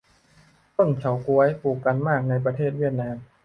ต้นเฉาก๊วย ปลูกกันมากในประเทศเวียดนาม